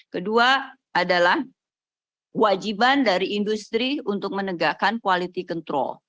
kedua adalah wajiban dari industri untuk menegakkan quality control